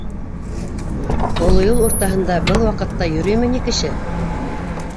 — Оло юл уртаһында был ваҡытта йөрөймө ни кеше?